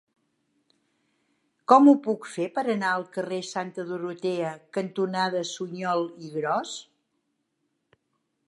Com ho puc fer per anar al carrer Santa Dorotea cantonada Suñol i Gros?